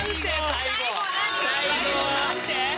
最後何て？